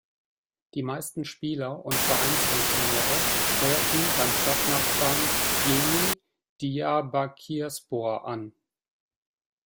Die meisten Spieler und Vereinsfunktionäre heuerten beim Stadtnachbarn Yeni Diyarbakırspor an.